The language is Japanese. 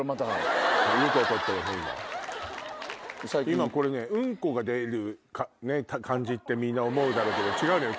今これねウンコが出る感じってみんな思うだろうけど違うのよ。